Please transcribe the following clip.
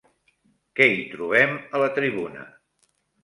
Què hi trobem a la tribuna?